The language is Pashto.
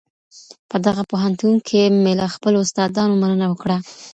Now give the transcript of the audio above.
په دغه پوهنتون کي مي له خپلو استادانو مننه وکړه.